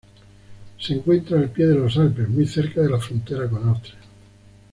Se encuentra al pie de los Alpes, muy cerca de la frontera con Austria.